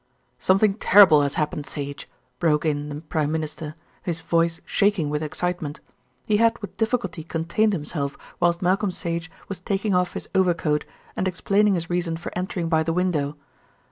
"Something terrible has happened, Sage," broke in the Prime Minister, his voice shaking with excitement. He had with difficulty contained himself whilst Malcolm Sage was taking off his overcoat and explaining his reason for entering by the window.